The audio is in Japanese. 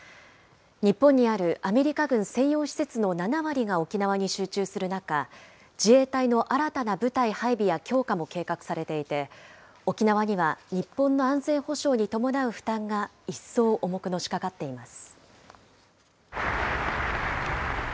日本にあるアメリカ軍専用施設の７割が沖縄に集中する中、自衛隊の新たな部隊配備や強化も計画されていて、沖縄には日本の安全保障に伴う負担が一層重くのしかかっています。